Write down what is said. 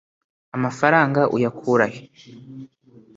amafaranga uyakura he